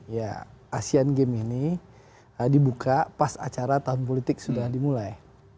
ya asean games ini dibuka pas acara tahun politik sudah dimulai